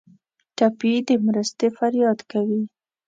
ټپي د مرستې فریاد کوي.